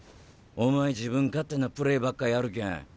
お前自分勝手なプレーばっかやるけん